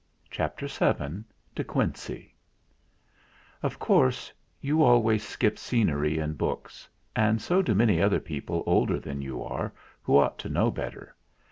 CHAPTER VII DE QUINCEY Of course, you always skip scenery in books, and so do many other people older than you are, who ought to know better.